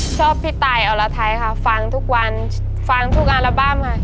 พี่ตายอรไทยค่ะฟังทุกวันฟังทุกอัลบั้มค่ะ